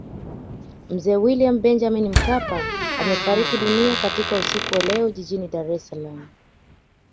Mzee William Benjamin Mkapa amefariki dunia katika usiku wa leo Jijini Dar es Salaam